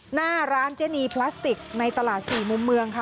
หน้าร้านเจนีพลาสติกในตลาด๔มุมเมืองค่ะ